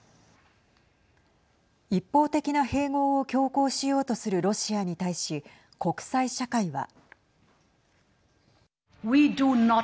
一方的な併合を強行しようとするロシアに対し国際社会は。